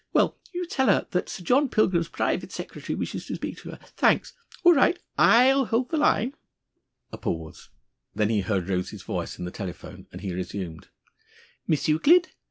Well, you tell her that Sir John Pilgrim's private secretary wishes to speak to her. Thanks. All right. I'll hold the line." A pause. Then he heard Rose's voice in the telephone, and he resumed: "Miss Euclid?